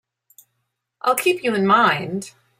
I'll keep you in mind.